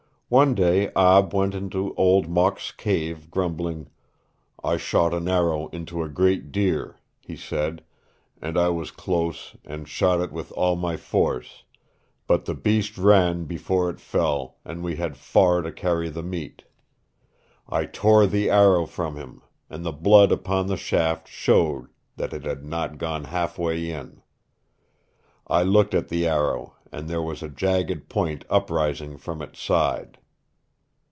One day Ab went into Old Mok's cave grumbling. "I shot an arrow into a great deer," he said, "and I was close and shot it with all my force, but the beast ran before it fell and we had far to carry the meat. I tore the arrow from him and the blood upon the shaft showed that it had not gone half way in. I looked at the arrow and there was a jagged point uprising from its side.